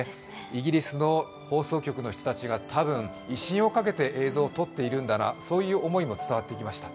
イギリスの放送局の人たちが多分、威信をかけて映像を撮っているんだな、そういう思いも伝わってきました。